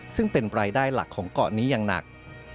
ซึ่งเป็นรายได้หลักของเกาะนี้อย่างหนัก